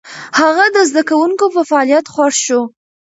هغه د زده کوونکو په فعاليت خوښ شو.